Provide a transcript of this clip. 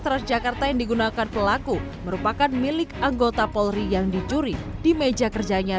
transjakarta yang digunakan pelaku merupakan milik anggota polri yang dicuri di meja kerjanya